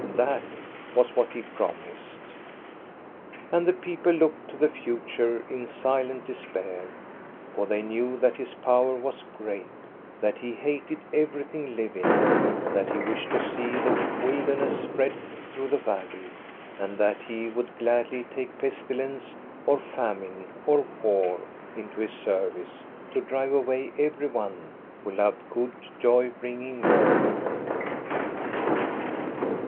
That was what he promised. And the people looked to the future in silent despair, for they knew that his power was great, that he hated everything living, that he wished to see the wilderness spread through the valley, and that he would gladly take pestilence or famine or war into his service to drive away every one who loved good, joy bringing work.